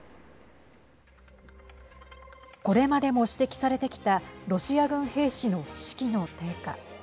これまでも指摘されてきたロシア軍兵士の士気の低下。